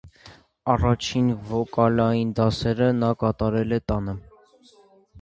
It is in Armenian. Առաջին վոկալային դասերը նա կատարել է տանը։